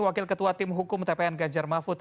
wakil ketua tim hukum tpn ganjar mahfud